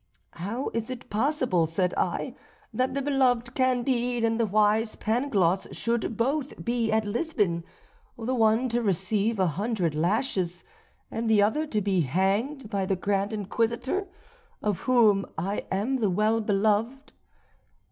How is it possible, said I, that the beloved Candide and the wise Pangloss should both be at Lisbon, the one to receive a hundred lashes, and the other to be hanged by the Grand Inquisitor, of whom I am the well beloved?